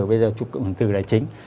bây giờ chụp cộng hưởng tử là chính